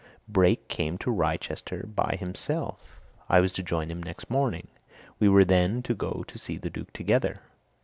Brake came to Wrychester by himself I was to join him next morning: we were then to go to see the Duke together.